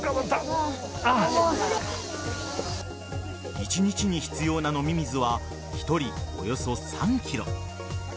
１日に必要な飲み水は１人およそ３ｋｇ。